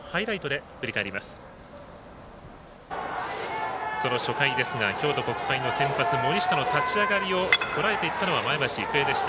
その初回ですが京都国際の先発、森下の立ち上がりをとらえていったのが前橋育英でした。